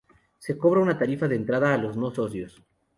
Se cobra una tarifa de entrada a los no socios.